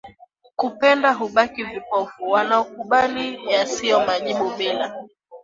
kupenda hubaki vipofu wanakubali yasiyo majibu bila